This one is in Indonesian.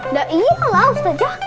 nah iyalah ustazah